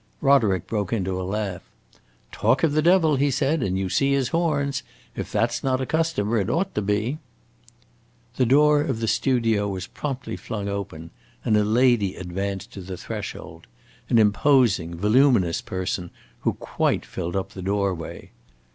Roderick broke into a laugh. "Talk of the devil," he said, "and you see his horns! If that 's not a customer, it ought to be." The door of the studio was promptly flung open, and a lady advanced to the threshold an imposing, voluminous person, who quite filled up the doorway.